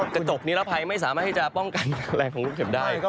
กระจกนี้ละภายไม่สามารถจะป้องกันแรงของลูกเห็บได้